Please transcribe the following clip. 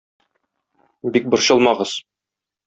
Бик борчылмагыз.